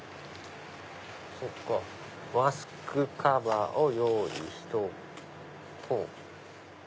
そっかマスクカバーを用意しとこう。